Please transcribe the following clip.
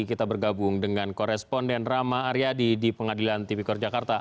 kita bergabung dengan koresponden rama aryadi di pengadilan tipikor jakarta